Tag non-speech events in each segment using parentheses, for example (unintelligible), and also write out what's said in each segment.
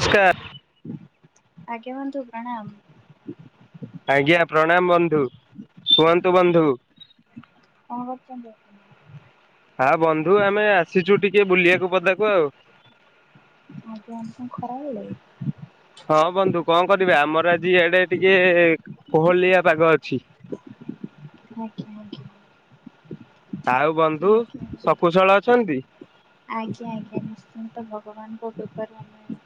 ନମସ୍କାର ଆଜ୍ଞା ବନ୍ଧୁ ପ୍ରଣାମ। ଆଜ୍ଞା ପ୍ରଣାମ ବନ୍ଧୁ କୁହନ୍ତୁ ବନ୍ଧୁ। କଣ କରୁଛନ୍ତି? ହଁ ବନ୍ଧୁ ଆମେ ଆସିଛୁ ଟିକେ ବୁଲିବାକୁ ପଦାକୁ ଆଉ। ଆଜ୍ଞା ଆପଣ ଖରାବେଳେ ହଁ ବନ୍ଧୁ କଣ କରିବା ଆମର ଆଜି ଆଡେ ଟିକେ କୋହଲିଆ ପାଗ ଅଛି। ଆଜ୍ଞା ଆଜ୍ଞା ଆଉ ବନ୍ଧୁ ସକୁଶଳ ଅଛନ୍ତି? ଆଜ୍ଞା ଆଜ୍ଞା ନିଶ୍ଚିନ୍ତ ତ ଭଗବାନଙ୍କ କୃପାରୁ ଆମେ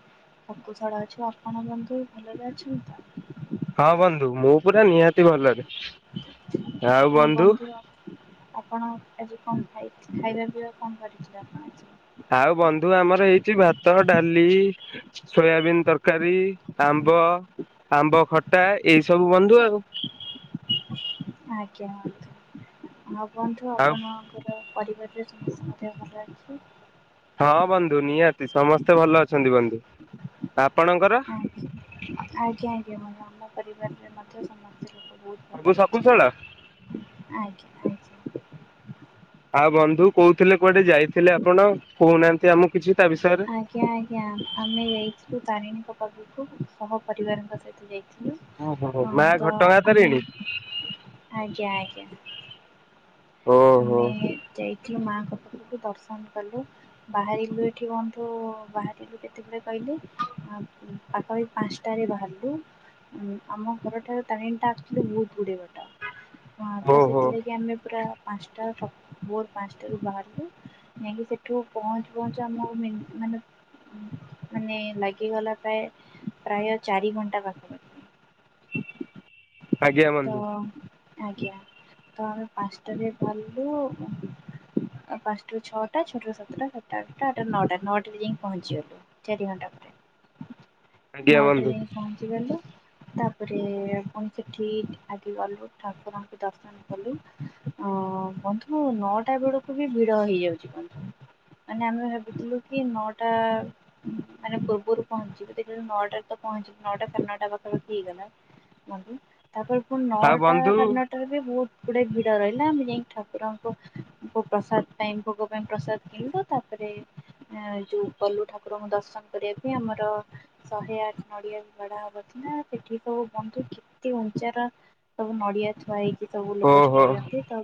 ସକୁଶଳ ଅଛୁ ଆପଣ ବନ୍ଧୁ ଭଲରେ ଅଛନ୍ତି ତ? ହଁ ବନ୍ଧୁ ମୁଁ ପୁରା ନିହାତି ଭଲ ଅଛି। ଆଉ ବନ୍ଧୁ ଆପଣ ଆଜି କଣ? ଖାଇ ଖାଇବା ପିଇବା କଣ କରିଛନ୍ତି ଆପଣ ଆଜି? ଆଉ ବନ୍ଧୁ ଆମର ହେଇଛି ଭାତ ଡାଲି, ସୋୟାବିିନ ତରକାରୀ, ଆମ୍ବ, ଆମ୍ବ ଖଟା ଏଇ ସବୁ ବନ୍ଧୁ ଆଉ। ଆଜ୍ଞା ଆଜ୍ଞା ହଁ ବନ୍ଧୁ ଆଉ ଆପଣଙ୍କର ପରିବାରରେ ସମସ୍ତେ ଦେହ ଭଲ ଅଛି? ହଁ ବନ୍ଧୁ ନିହାତି ସମସ୍ତେ ଭଲ ଅଛନ୍ତି ବନ୍ଧୁ ଆପଣଙ୍କର? ଆଜ୍ଞା ଆଜ୍ଞା ଆଜ୍ଞା ମୋ ଆମ ପରିବାରରେ ମଧ୍ୟ ସମସ୍ତଙ୍କର ବହୁତ ସବୁ ଭଲରେ ଶକୁଶଳ? ଅଛି ଆଜ୍ଞା ଆଜ୍ଞା। (inaudible) ଆଉ ବନ୍ଧୁ କହୁଥିଲେ କୁଆଡେ ଯାଇଥିଲେ ଆପଣ କହୁନାହାଁନ୍ତି ଆମକୁ କିଛି। ତା ବିଷୟରେ? ଆଜ୍ଞା ଆଜ୍ଞା ଆମେ ଯାଇଛୁ ତାରିଣୀଙ୍କ ପାଖକୁ ସହ ପରିବାରଙ୍କ ସହିତ ଯାଇ ଓହୋ ମା ହଁ ତ ଘଟଗାଁ ଆମେ ତାରିଣୀ ଆଜ୍ଞା ଆଜ୍ଞା। ଓହୋ ଆମେ ଯାଇ ଥିଲୁ ମାଙ୍କ ପାଖକୁ ଦର୍ଶନ କଲୁ ବାହାରିଲୁ ଏଠି କହନ୍ତୁ ବାହାରିଲୁ କେତେବେଳେ କହିଲେ ପାଖାପାଖି ପାଞ୍ଚଟାରେ ବାହାରିଲୁ ଆମ ଘରଠାରୁ ତାରିଣୀ ଟା ଆକ୍ଚୁଆଲି ବହୁତ ଗୁଡିଏ ବାଟ। ହଁ ତ ଓହୋ ସେଥିଲାଗି ଆମେ ପୁରା ପାଞ୍ଚଟା ଭୋର ପାଞ୍ଚଟାରୁ ବାହାରିଲୁ ଯାଇକି ସେଠୁ ପହଞ୍ଚୁ ପହଞ୍ଚୁ ଆମକୁ ମାନେ ମାନେ ଲାଗିଗଲା ପ୍ରାୟ ପ୍ରାୟ ଚାରି ଘଣ୍ଟା ପାଖାପାଖି ଆଜ୍ଞା ତ ବନ୍ଧୁ। ଆଜ୍ଞା ତ ଆମେ ପାଞ୍ଚଟାରେ ଗଲୁ ପାଞ୍ଚଟାରୁ ଛଅଟା ଛଅଟାରୁ ସାତଟା ସାତଟା ଆଠଟା ଆଠଟାରୁ ନଅଟା ନଅଟାରେ ଯାଇକି ପହଞ୍ଚିଗଲୁ ଚାରି ଘଣ୍ଟା ପରେ ଆଜ୍ଞା ନଅଟାରେ ବନ୍ଧୁ ଯାଇ ପହଞ୍ଚିଗଲୁ ତାପରେ ପହଞ୍ଚିକି ଆଗେ ଗଲୁ ଠାକୁରଙ୍କୁ ଦର୍ଶନ କଲୁ ଅ ବନ୍ଧୁ ନଅଟା ବେଳକୁ ବି ଭିଡ ହେଇଯାଉଛି ବନ୍ଧୁ ମାନେ ଆମେ ଭାବିଥିଲୁ କି ନଅଟା ମାନେ ପୂର୍ବରୁ ପହଞ୍ଚିବୁ ଦେଖିଲା ବେଳକୁ ନଅଟାରେ ତ ପହଞ୍ଚିବି ନଅଟା ସାଢେ ନଅଟା ପାଖାପାଖି ହେଇଗଲା ବନ୍ଧୁ ତାପରେ ପୁଣି ଆଉ ନଅଟା ବନ୍ଧୁ ସାଢ଼େ ନଅଟାରେ ବି ବହୁତ ଗୁଡେ ଭିଡ ରହିଲା ଆମେ ଯାଇକି ଠାକୁରଙ୍କୁ ପ୍ରସାଦ ପାଇଁ ଭୋଗ ପାଇଁ ପ୍ରସାଦ କିଣିଲୁ ତାପରେ ଯୋଉ କଲୁ ଠାକୁରଙ୍କୁ ଦର୍ଶନ କରିବା ପାଇଁ ଆମର ଶହେ ଆଠ ନଡିଆ ବି ଚଢ଼ା ହବାର ଥିଲା ସେଠି ସବୁ ବନ୍ଧୁ କେତେ ସାରା ସବୁ ନଡିଆ ଥୁଆ ହେଇ ସବୁ ଲୋକ ଓହୋ ଚଢ଼ଉଛନ୍ତି ତ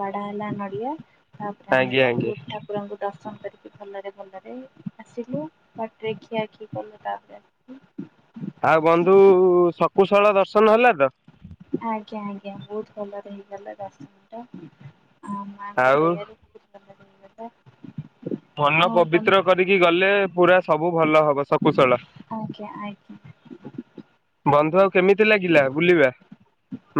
ବାଡ଼ା ହେଲା ନଡ଼ିଆ ତାପରେ ଆମେ ଆଜ୍ଞା ଆଜ୍ଞା। ବନ୍ଧୁ ଠାକୁରଙ୍କୁ ଦର୍ଶ କଣ କରିବି ଭଲରେ ଭଲରେ ଆସିଲୁ ବାଟରେ ଖିଆ ଖି କଲୁ ତାପରେ ଆସିଲୁ ଆଉ ବନ୍ଧୁ ସ କକୁଶଳ ଦର୍ଶନ ହେଲା ତ? ଆଜ୍ଞା ଆଜ୍ଞା ବହୁତ ଭଲରେ ହେଇଗଲା ଦର୍ଶନ ଟା। ହଁ ମାଆଙ୍କ ଆଉ ଦୟାରୁ ଠିକଠାକ୍ ହେଲା ମନ ପବିତ୍ର କରିକି ଗଲେ ପୁରା ସବୁ ଭଲ ହବ ସକୁଶଳ। ଆଜ୍ଞା ଆଜ୍ଞା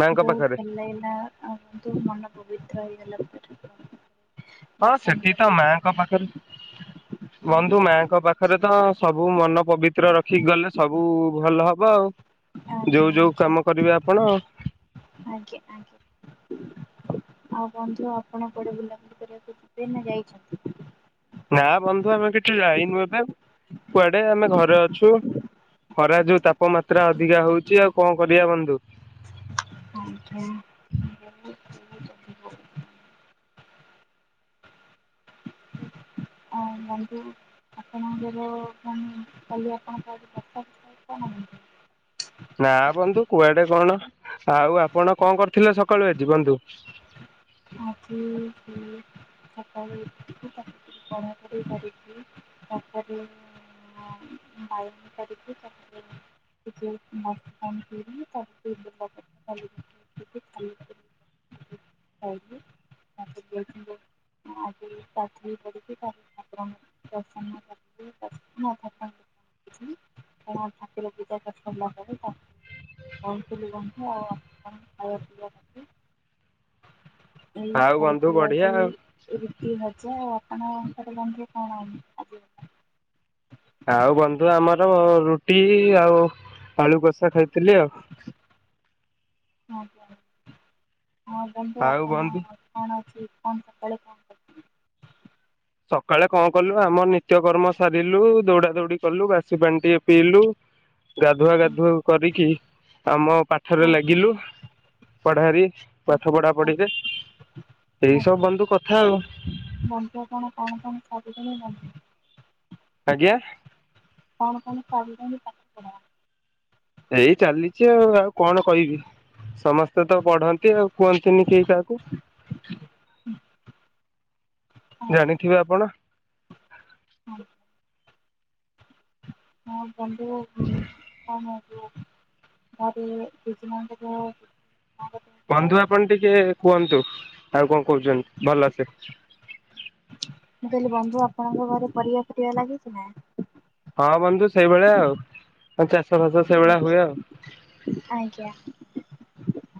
ମାଙ୍କ ପାଖରେ? ଭଲ ଲାଗିଲା ଆଉ କିନ୍ତୁ ମନ ପବିତ୍ର ହେଇଗଲା। ଠାକୁରଙ୍କ ପାଖରେ ହଁ ଦର୍ଶନ ସେଠି ତ କରି ମାଙ୍କ ଭଗବାନଙ୍କୁ ପାଖରେ ବନ୍ଧୁ ଆଜ୍ଞା ଆଜ୍ଞା ମାଙ୍କ ପାଖରେ ତ ନିଶ୍ଚିତ ସବୁ ମନ ପବିତ୍ର ରଖିକି ଗଲେ ସବୁ ସବୁ ଭଲ ହବ ଆଉ। ଆଜ୍ଞା ଯୋଉ ଯୋଉ କାମ ଆଜ୍ଞା କରିବେ ଆପଣ ଆଜ୍ଞା ଆଜ୍ଞା। ଆଉ ବନ୍ଧୁ ଆପଣ କୁଆଡେ ବୁଲାବୁଲି କରିବାକୁ ଯିବେ ନା ଯାଇଛନ୍ତି। ନା ବନ୍ଧୁ ଆମେ ଏଠି କି ଯାଇନୁ ଏବେ କୁଆଡେ ଆମେ ଘରେ ଅଛୁ ଖରା ଯୋଉ ତାପମାତ୍ରା ଅଧିକା ହଉଛି ଆଉ କଣ କରିବା ବନ୍ଧୁ। ଆଚ୍ଛା। ଆ ବନ୍ଧୁ ଆପଣଙ୍କର କଣ କାଲି ଆପଣଙ୍କ କଣ? ନା ବନ୍ଧୁ କୁଆଡେ କଣ ଆଉ ଆପଣ କଣ କରୁଥିଲେ ସକାଳୁ ଆଜି ବନ୍ଧୁ। ବନ୍ଧୁ? ଆଜି ସେଇ ସକାଳୁ ଉଠିକି ତାକୁ କଢା କଢ଼ି କରିକି (unintelligible) (unintelligible) ଗାଧେଇ ପଡିକି ତାପରେ ଠାକୁରଙ୍କୁ ଦର୍ଶନ କରିକି ଥିଲି କାରଣ (unintelligible) (unintelligible) ଆଉ ବନ୍ଧୁ ଖାଇଥିଲି ବଢିଆ ଆଜି ଆଉ ରୁଟି ଭଜା ସୋ ଆପଣ କଣ କଣ ର ରୁଟି ଆଉ ଆଳୁ କଷା ଖାଇଥିଲି ଆଉ। ହଁ ପା। ହଁ ବନ୍ଧୁ ଆଉ ଆପଣ ବନ୍ଧୁ କଣ ଅଛି? କଣ ସକାଳେ କଲ କରଥି ସକାଳେ କଣ କଲୁ ଆମ ନିତ୍ୟକର୍ମ ସାରିଲୁ, ଦୌଡା ଦୌଡି କଲୁ, ବାସି ପାଣି ଟିକେ ପିଇଲୁ, ଗାଧୁଆ ଗାଧୁ କରିକି ଆମ ପାଠରେ ଆଜ୍ଞା ଲାଗିଲୁ, ପଢାରେ ଆଜ୍ଞା ପାଠ ପଢା ପଢିରେ ଏଇ ସବୁ ଆଜ୍ଞା ବନ୍ଧୁ କଥା ଆଉ ବନ୍ଧୁ ଆପଣ କଣ କଣ ସବୁଦେଲେ ମଧ୍ୟ (unintelligible) ଆଜ୍ଞା କଣ କଣ ସରିଲାଣି ପାଠ ପଢ଼ା। ଏଇ ଚାଲିଛି ଆଉ ଆଉ କଣ କହିବି ସମସ୍ତେ ତ ପଢନ୍ତି ଆଉ କୁହନ୍ତିନି କେହି କାହାକୁ। ଜାଣିଥିବେ ଆପଣ। ହଁ ହଁ ବନ୍ଧୁ କଣ ଯୋଉ ଯୋଉ ବନ୍ଧୁ ଆପଣ ଟିକେ କୁହନ୍ତୁ ଆଉ କଣ କହୁଚନ୍ତି ଭଲସେ ମୁଁ କହିଲି ବନ୍ଧୁ ଆପଣଙ୍କ ଘରେ ପରିବା ଫରିବା ଲାଗିଛି ନା। ହଁ ବନ୍ଧୁ ସେଇ ଭଳିଆ ଆଉ ପଞ୍ଚା ସବୁ ହୁଏ ଆଉ। ଆଜ୍ଞା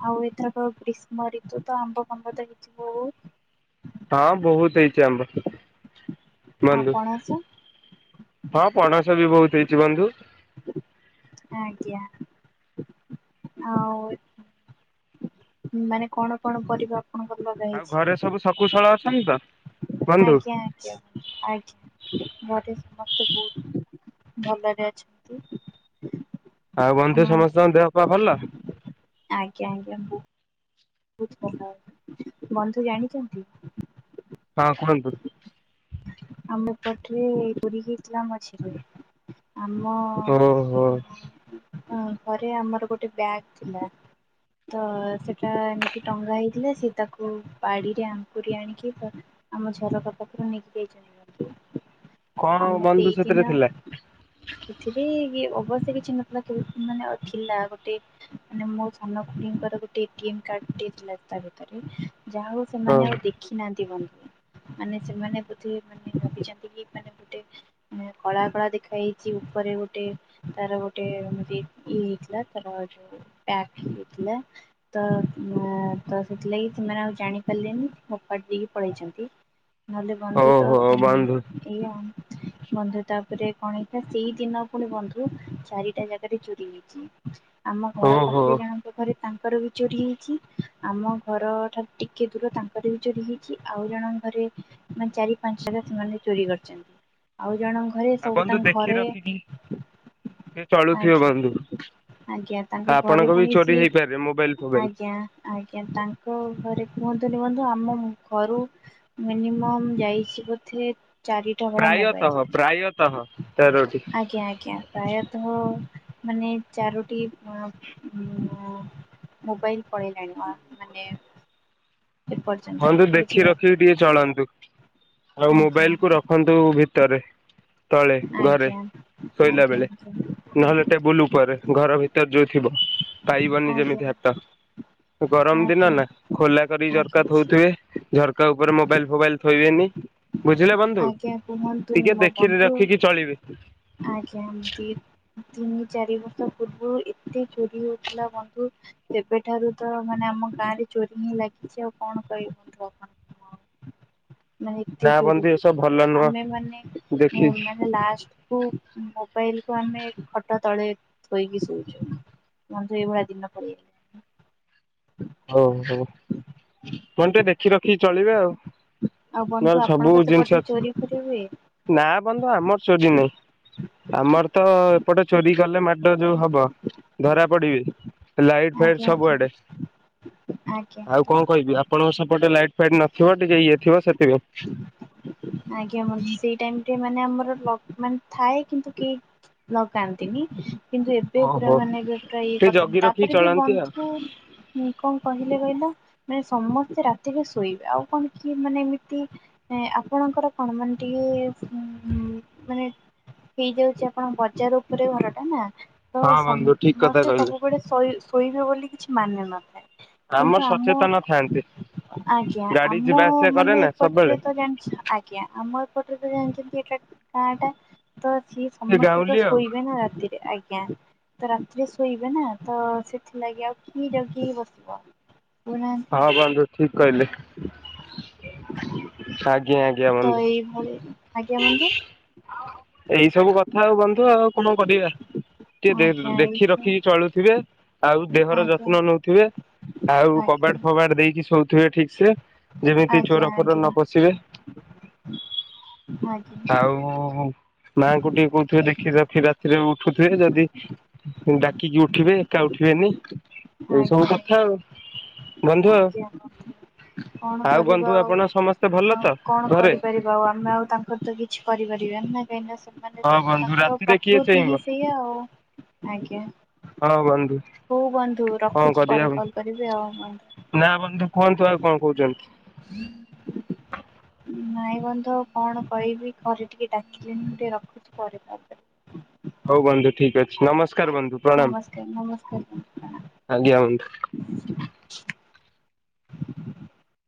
ଆଉ ଏଥରକ ଗ୍ରୀଷ୍ମ ରିତୁ ତ ଆମ୍ବ ଫାମ୍ବ ତ ହେଇଥିବ ବୋହୁ। ହଁ ବୋହୁତ ହେଇଛି ଆମ୍ୱ। ଆଉ ବନ୍ଧୁ ପଣସ ହଁ ପଣ ସ ବି ବୋହୁତ ହେଇଚି ବନ୍ଧୁ। ଆଜ୍ଞା ଆଉ ମାନେ କଣ କଣ ପରିବା ଆପଣଙ୍କର ଲଗା ଆଉ ହେଇଛି? ଘରେ ସବୁ ଶକୁଶଳ ଛନ୍ତି ତ। ବନ୍ଧୁ ଆଜ୍ଞା ଆଜ୍ଞା ଆଜ୍ଞା ଘରେ ସମସ୍ତେ ବୋହୁତ ଭଲରେ ଅଛନ୍ତି। ଆଉ ବନ୍ଧୁ ହଁ ସମସ୍ତଙ୍କ ଦେହ ପା ଭଲ। ଏମ୍ବୁ (unintelligible) ବନ୍ଧୁ ଜାଣିଚନ୍ତି। ହଁ କୁହନ୍ତୁ। ମୋ ପଠିରେ ପୁରିକି ଥିଲା ମଝିରେ ହୋ ହୋ। ହ ଘରେ ଆମର ଗୋଟେ ବ୍ୟାଗ ଥିଲା, ତ ସେଟା ଏମିତି ଟଙ୍ଗା ହେଇଥିଲା, ସେ ତାକୁ ବାଡିରେ ଆଙ୍କୁରି ଆଣିକି ତ ଆମ ଝରକା ପାଖରୁ ନେଇକି (unintelligible) କଣ ଆମ ବନ୍ଧୁ ସେଥିରେ ସେଇଦିନ ଥିଲା। ବ ସେ କିଛି ନଥିଲା ତ ମାନେ ଥିଲା ଗୋଟେ ମାନେ ମୋ ସାନ ଖୁଡୀ ଙ୍କର ଗୋଟେ ଗୀନ କାର୍ଡ ଟେ ଥିଲା ତା ଭିତରେ। ଯାହା ହୋଉ ସେମାନେ ଆଉ ଓହୋ ଦେଖି ନାହାନ୍ତି ବ ମାନେ ସେମାନେ ଥି ମାନେ ଭାବିଚନ୍ତି କି ମାନେ ଗୋଟେ କଳା କଳା ଦେଖା ହୋଇଚି ଉପରେ ଗୋଟେ ତାର ଗୋଟେ ଇ ହେଇଥିଲା ତାର ଯୋଉ ପ୍ୟାକ ହେଇଥିଲା ତ ତ ସେଥିଲାଗି ସେମାନେ ଆଉ ଜାଣିପାରିଲେନି ଫୋପାଡ଼ି ଦେଇକି ପଳେଇଚନ୍ତି। ନହେଲେ ବନ୍ଧୁ ତ ଓହୋ ବନ୍ଧୁ ଏଇଆ। ବନ୍ଧୁ ତାପରେ କଣ ହେଇଥିଲା ସେଇ ଦିନ ପୁଣି ବନ୍ଧୁ ଚାରିଟା ଜାଗାରେ ଚୋରି ହେଇଚି। ଆମ ଘର ଓହୋ। ପାଖରେ ଜାଣଙ୍କ ଘରେ ତା ତାଙ୍କର ବି ଚୋରି ହେଇଚି ଆମ ଘର ଠାରୁ ଟିକେ ଦୂର ତାଙ୍କର ବି ଚୋରି ହେଇଚି ଆଉ ଜଣ ଘରେ ମାନେ ଚାରି ପାଞ୍ଚ ଜାଗା ସେମାନେ ଚୋରି କରିଚନ୍ତି। ଆଉ ଜଣଙ୍କ ଘରେ ଆଉ ସବୁ ବନ୍ଧୁ ତାଙ୍କ ଦେଖି ଘରେ ରଖିକି ଟିକେ ଚଳୁଥିବେ ଆଜ୍ଞା ବନ୍ଧୁ। ଆଜ୍ଞା ତାଙ୍କ ଘରେ ଆପଣଙ୍କ ବି ପୁଣି ଚୋରି ସିଏ ହେଇପାରେ ମୋବାଇଲ ଫୋବାଇଲ ଆଜ୍ଞା ଆଜ୍ଞା ତାଙ୍କ ଘରେ ହୁହନ୍ତୁ ନୁହନ୍ତୁ ଆମ ଘରୁ ମିନିମମ୍ ଯାଇ ଛି ବୋଧେ ଚାରିଟା ଭଡ଼ା ପ୍ରାୟତଃ ପ୍ରାୟତଃ ମୋବାଇଲ ତେରଟି। ଆଜ୍ଞା ଆଜ୍ଞା ପ୍ରାୟତଃ ମାନେ ଚାରୋଟି ମୋ ମୋବାଇଲ ପଳେଇଲାଣି ମାନେ ଏପର୍ଯ୍ୟନ୍ତ ବନ୍ଧୁ ଦେଖି ବୁଝିପାରିଲେ ରଖିକି ଟିକେ ଚଳନ୍ତୁ। ଆଉ ଆଜ୍ଞା ମୋବାଇଲକୁୁ ରଖନ୍ତୁ ଭିତରେ। ତଳେ ଘରେ ଆଜ୍ଞା ଶୋଇଲା ଆଜ୍ଞା ବେଳେ ନହେଲେ ଟେବୁଲ ଉପରେ ଘର ଭିତରେ ଯୋଉ ଥିବ ପାଇବନି ଆଜ୍ଞା ଆଜ୍ଞା ଯେମିତି ହାତ ଗରମ ଦିନ ଆଜ୍ଞା ନା ଖୋଲା କରିକି ଝର (unintelligible) ଥଉଥିବେ ଝରକା ଉପରେ ମୋବାଇଲ ଫୋବାଇଲ ଥୋଇବେନି ବୁଝିଲେ ବନ୍ଧୁ ଆଜ୍ଞା କୁହନ୍ତୁନି ଟିକେ ମୋ ଦେଖି ବନ୍ଧୁ ରଖିକି ଚଳିବେ ଆଜ୍ଞା ଦି ତିନ ଚାରି ବର୍ଷ। ପୂର୍ବରୁ ଏତେ ଚୋରି ହଉଥିଲା ବନ୍ଧୁ ସେବେଠାରୁ ତ ମାନେ ଆମ ଗାଁ ରେ ଚୋରି ହିଁ ଲାଗିଛି ଆଉ କଣ କହିବି (unintelligible) ମାନେ ଏତେ ନା ଚୋରି ବନ୍ଧୁ ହେଉଛି ଏସବୁ ଭଲ ବନ୍ଧୁ ନୁହଁ। ଆମେ ମାନେ ଦେଖିଛି ମାନେ ଲାଷ୍ଟ କୁ ମୋବାଇଲ ଲୋକ ଆମେ ଖଟ ତଳେ ଥୋଇକି ଶୋଉଚୁ ବନ୍ଧୁ ଏଇଭଳିଆ ଦିନ ପଳିଆଇଲା। ହଉ ହଉ କଣ ଟିକେ ଦେଖି ରଖି ଚଳିବେ ଆଉ ଆଉ ବନ୍ଧୁ ନହେଲେ ସବୁ ଆପଣଙ୍କ ଜିନିଷ ସେପଟରେ ଅଛି ଚୋରି ଫୋରି ହୁଏ? ନା ବନ୍ଧୁ ଆମର ଚୋରି ନାହିଁ ଆମର ତ ଏପଟେ ଚୋରି କଲେ ମାଡ ଯୋଉ ହବ ଧରା ପଡିବେ ଲାଇଟ ଫାଇଟ ଆଜ୍ଞା ଆଜ୍ଞା ସବୁଆଡେ ଆଜ୍ଞା ଆଉ ଆଜ୍ଞା କଣ କହିବି ଆପଣଙ୍କ ସେପଟେ ଲାଇଟ୍ ଫେର ନଥିବ ଟିକେ ଇଏ ଥିବ ଆଜ୍ଞା ବନ୍ଧୁ ସେଥିପାଇଁ ସେଇ ଟାଇମରେ ମାନେ ଆମର ମାନେ ଥାଏ କିନ୍ତୁ କେହି ଲଗାନ୍ତିନି କିନ୍ତୁ ଏବେ ପୁରା ଓହୋ ମାନେ ଏବେ ପୁରା ଇଏ ଟିକେ କରିଥାନ୍ତି ଜଗି ରଖି ତାପରେ ବି ଚଳାନ୍ତି ଆଉ ବନ୍ଧୁ କଣ କହିଲେ କହିଲ ମାନେ ସମସ୍ତେ ରା ଟିକେ ଶୋଇବେ ଆଉ କଣ କିଏ ମାନେ ଏମିତି ଏ ଆପଣଙ୍କର କଣ ମାନେ ଟିକେ (inaudible) ହେଇଯାଉଛି ଆପଣଙ୍କ ବଜାର ଉପରେ ଘର ଟା ନା ତ ହଁ ବନ୍ଧୁ ଠିକ କଥା ସମସ୍ତେ କହିଲେ ସବୁବେଳେ ଶୋଇ କହିବେ ବୋଲି କିଛି ମାନେ ନଥାଏ। କିନ୍ତୁ ଆମର ଆମ ସଚେତନ ଥାଆନ୍ତି। ଆଜ୍ଞା ଗାଡି ଆମ ଯିବା ଆସିବା କରେ ମାନେ ନା ଏପଟରେ ସବୁବେଳେ ତ ଜାଣିଛ ଆଜ୍ଞା ଆମ ଏପଟରେ ତ ଜାଣିଛନ୍ତି ଏଟା ଆଁ ଟା ତ ଅଛି ସେ ସମସ୍ତେ ତ ଗାଉଁଲି ଆଉ ଶୋଇବେ ନା ରାତିରେ ଆଜ୍ଞା ତ ରାତିରେ ଶୋଇବେ ନା ତ ସେଥିଲାଗି ଆଉ କିଏ ଜଗିକି ବସିଥିବ। ହଁ ବନ୍ଧୁ (inaudible) ଠିକ କହିଲେ ଆଜ୍ଞା ଆଜ୍ଞା ତ ବନ୍ଧୁ। (inaudible) ଆଜ୍ଞା ବନ୍ଧୁ ଏଇ ସବୁ କଥା ଆଉ ବନ୍ଧୁ ଆଉ (unintelligible) କରିବା? ଟିକେ ଦେ ଆଜ୍ଞା ଏଇ ଦେଖି ରଖିକି ଚଳୁଥିବେ ଆଉ ଦେହର ଆଜ୍ଞା ଯତ୍ନ ନଉଥିବେ ଆଉ ଆଜ୍ଞା କବାଟ ଫବାଟ ଦେଇକି ଶୋଉ- (unintelligible) ଠିକ ସେ ଯେମିତି ଆଜ୍ଞା ଚୋର ଫୋର ନ ଆଜ୍ଞା ପଶିବେ ଆଜ୍ଞା ଆଉ ମାଙ୍କୁ ଟିକେ କହୁଥିବେ ଦେଖି ଦାଖି ରାତିରେ ଉଠୁଥିବେ ଯଦି ଡାକିକି ଉଠିବେ ଏକା ଉଠିବେନି ଏଇ ସବୁ ଆଜ୍ଞା କଥା ଆଉ ଆଜ୍ଞା ବନ୍ଧୁ ଆଜ୍ଞା ବନ୍ଧୁ କଣ ବନ୍ଧୁ କରିବା ଆଉ ଆପଣ ସମସ୍ତେ ଭଲ ଆଉ ତ କଣ ଘରେ କରିପାରିବା ଆଉ ଆମେ ଆଉ ତାଙ୍କର ତ କି କିଛି କରିପାରିବାନି ନା କାହିଁକି ନା ସ ସେମାନେ ହଁ ସବୁ ବନ୍ଧୁ ତାଙ୍କର ରାତିରେ କିଏ ପ୍ରକୃତି ଚେଇଁବ ହିଁ ସେଇଆା ଆଉ ଆଜ୍ଞା ହଁ ବନ୍ଧୁ ହଉ ବନ୍ଧୁ କଣ ରଖୁଛି କରିବା ପରେ କଲ କରିବି ଆଉ ନା କୁହନ୍ତୁ ଆଉ ବନ୍ଧୁ। କଣ କହୁଛନ୍ତି? ନାଇଁ ବନ୍ଧୁ କଣ କହିବି ଘରେ ଟିକେ ଡାକିଲେନି ମୁଁ ଟିକେ ରଖୁଛି ପରେ କଲ୍ କରିବି। ହଉ ବନ୍ଧୁ ଠିକ ଅଛି ନମସ୍କାର ବନ୍ଧୁ ଆଜ୍ଞା ନମସ୍କାର ନମସ୍କାର ବନ୍ଧୁ ପ୍ରଣାମ ପ୍ରଣାମ ଆଜ୍ଞା ବନ୍ଧୁ। (inaudible)